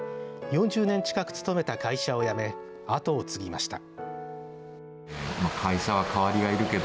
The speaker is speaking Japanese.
４０年近く勤めた会社を辞め後を継ぎました。